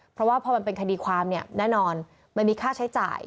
เพราะว่าพอมันเป็นคันดีความแน่นอนไม่มีค่าใช้จ่าย